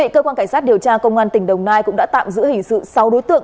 cơ quan cảnh sát điều tra công an tỉnh đồng nai cũng đã tạm giữ hình sự sáu đối tượng